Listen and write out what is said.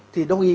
thì đồng ý